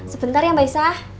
sebentar ya mbak isah